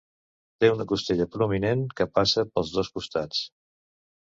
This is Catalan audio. Té una costella prominent que passa pels dos costats.